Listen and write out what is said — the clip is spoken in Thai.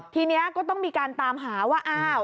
ทีนี้ก็ต้องมีการตามหาว่าอ้าว